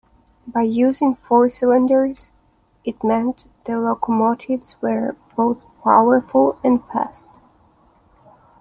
By using four cylinders it meant the locomotives were both powerful and fast.